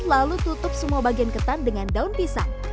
lalu tutup semua bagian ketan dengan daun pisang